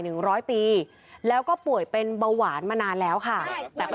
ร้อยปีแล้วก็ป่วยเป็นเบาหวานมานานแล้วค่ะแต่ก็